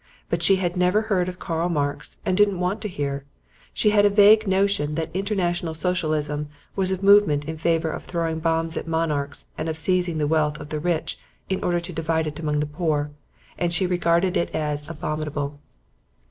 But she had never heard of Karl Marx and didn't want to hear. She had a vague notion that International Socialism was a movement in favour of throwing bombs at monarchs and of seizing the wealth of the rich in order to divide it among the poor and she regarded it as abominable.